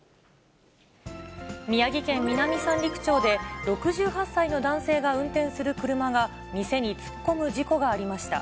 宮城県南三陸町で、６８歳の男性が運転する車が、店に突っ込む事故がありました。